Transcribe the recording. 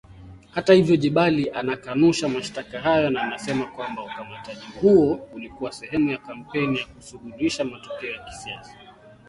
Hata hivyo Jebali anakanusha mashtaka hayo na anasema kwamba ukamataji huo ulikuwa sehemu ya kampeni ya kusuluhisha matokeo ya kisiasa